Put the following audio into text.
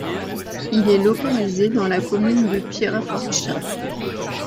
Il est localisé dans la commune de Pierrafortscha.